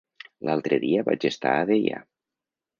L'altre dia vaig estar a Deià.